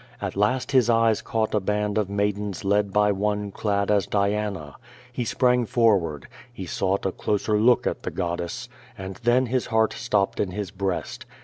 At last his eyes caught a band of maidens led by one clad as Diana. He sprang for ward. He sought a closer look at the goddess. And then his heart stopped in his breast.